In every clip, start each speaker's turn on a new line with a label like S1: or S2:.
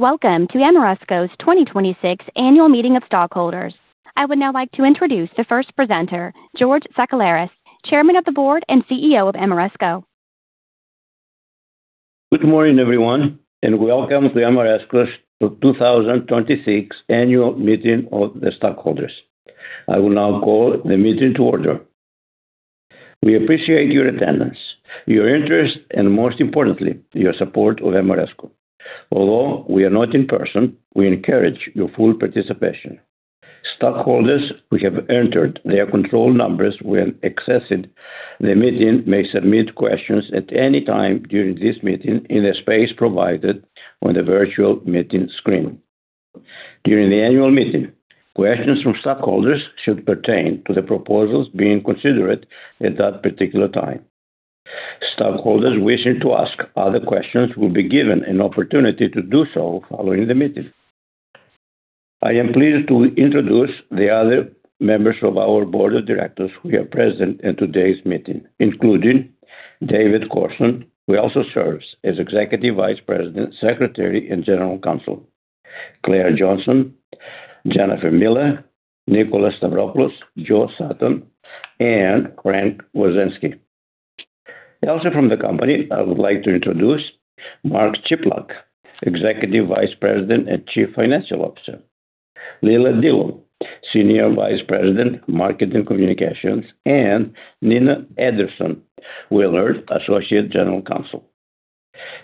S1: Welcome to Ameresco's 2026 annual meeting of stockholders. I would now like to introduce the first presenter, George Sakellaris, Chairman of the Board and CEO of Ameresco.
S2: Good morning, everyone, and welcome to Ameresco's 2026 annual meeting of the stockholders. I will now call the meeting to order. We appreciate your attendance, your interest, and most importantly, your support of Ameresco. Although we are not in person, we encourage your full participation. Stockholders who have entered their control numbers when accessing the meeting may submit questions at any time during this meeting in the space provided on the virtual meeting screen. During the annual meeting, questions from stockholders should pertain to the proposals being considered at that particular time. Stockholders wishing to ask other questions will be given an opportunity to do so following the meeting. I am pleased to introduce the other members of our board of directors who are present at today's meeting, including David Corrsin, who also serves as Executive Vice President, Secretary, and General Counsel, Claire Johnson, Jennifer Miller, Nickolas Stavropoulos, Joe Sutton, and Frank Wisneski. Also from the company, I would like to introduce Mark Chiplock, Executive Vice President and Chief Financial Officer, Leila Dillon, Senior Vice President, Marketing Communications, and Nina Andersson-Willard, Associate General Counsel.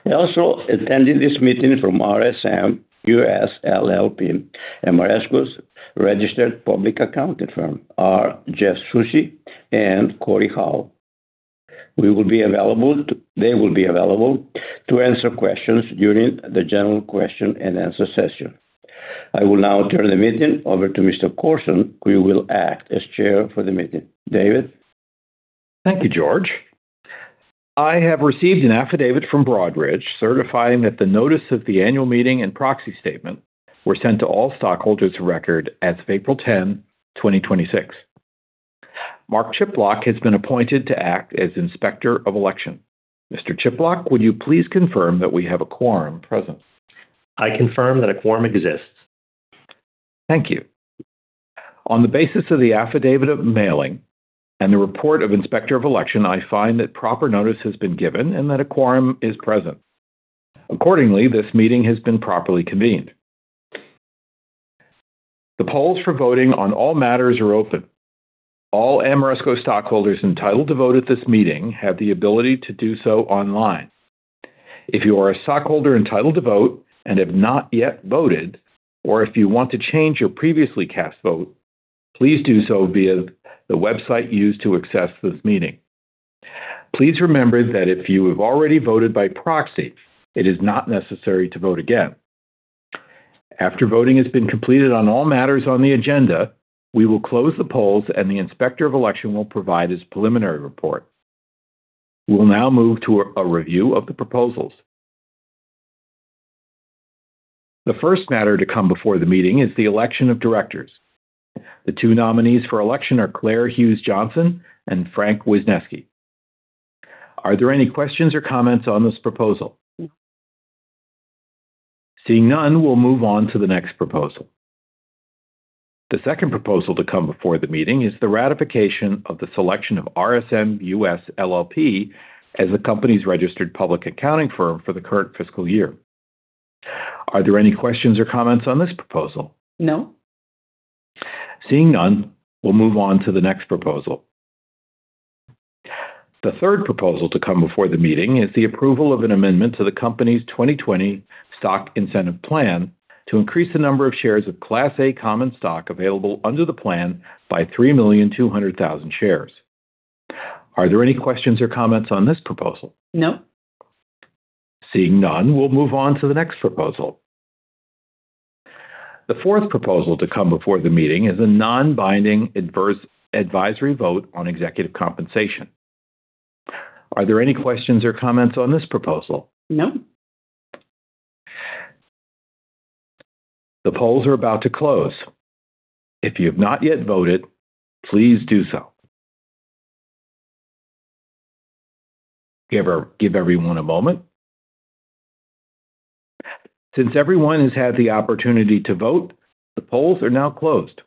S2: Also attending this meeting from RSM US LLP, Ameresco's registered public accounting firm, are Jess Suchy and Cory Hall. They will be available to answer questions during the general question and answer session. I will now turn the meeting over to Mr. Corrsin, who will act as chair for the meeting. David?
S3: Thank you, George. I have received an affidavit from Broadridge certifying that the notice of the annual meeting and proxy statement were sent to all stockholders of record as of April 10th, 2026. Mark Chiplock has been appointed to act as Inspector of Election. Mr. Chiplock, would you please confirm that we have a quorum present?
S4: I confirm that a quorum exists.
S3: Thank you. On the basis of the affidavit of mailing and the report of Inspector of Election, I find that proper notice has been given and that a quorum is present. Accordingly, this meeting has been properly convened. The polls for voting on all matters are open. All Ameresco stockholders entitled to vote at this meeting have the ability to do so online. If you are a stockholder entitled to vote and have not yet voted, or if you want to change your previously cast vote, please do so via the website used to access this meeting. Please remember that if you have already voted by proxy, it is not necessary to vote again. After voting has been completed on all matters on the agenda, we will close the polls, and the Inspector of Election will provide his preliminary report. We will now move to a review of the proposals. The first matter to come before the meeting is the election of directors. The two nominees for election are Claire Hughes Johnson and Frank Wisneski. Are there any questions or comments on this proposal? Seeing none, we'll move on to the next proposal. The second proposal to come before the meeting is the ratification of the selection of RSM US LLP as the company's registered public accounting firm for the current fiscal year. Are there any questions or comments on this proposal?
S1: No.
S3: Seeing none, we'll move on to the next proposal. The third proposal to come before the meeting is the approval of an amendment to the company's 2020 Stock Incentive Plan to increase the number of shares of Class A common stock available under the plan by 3.2 million shares. Are there any questions or comments on this proposal?
S1: No.
S3: Seeing none, we'll move on to the next proposal. The fourth proposal to come before the meeting is a non-binding advisory vote on executive compensation. Are there any questions or comments on this proposal?
S1: No.
S3: The polls are about to close. If you have not yet voted, please do so. Give everyone a moment. Since everyone has had the opportunity to vote, the polls are now closed.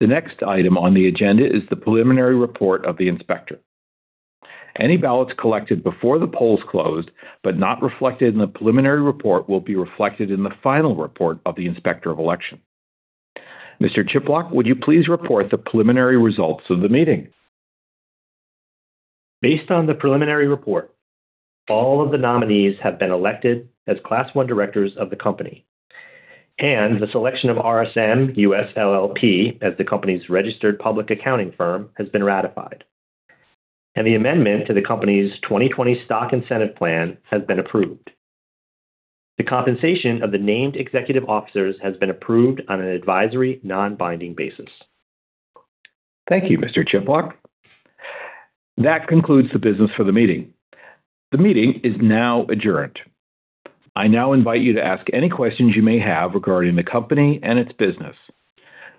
S3: The next item on the agenda is the preliminary report of the inspector. Any ballots collected before the polls closed but not reflected in the preliminary report will be reflected in the final report of the Inspector of Election. Mr. Chiplock, would you please report the preliminary results of the meeting?
S4: Based on the preliminary report, all of the nominees have been elected as Class I directors of the company, and the selection of RSM US LLP as the company's registered public accounting firm has been ratified, and the amendment to the company's 2020 Stock Incentive Plan has been approved. The compensation of the named executive officers has been approved on an advisory, non-binding basis.
S3: Thank you, Mr. Chiplock. That concludes the business for the meeting. The meeting is now adjourned. I now invite you to ask any questions you may have regarding the company and its business.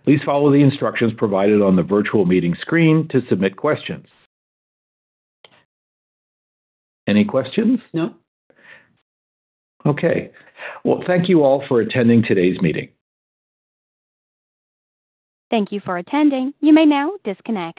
S3: Please follow the instructions provided on the virtual meeting screen to submit questions. Any questions?
S1: No.
S3: Okay. Well, thank you all for attending today's meeting.
S1: Thank you for attending. You may now disconnect.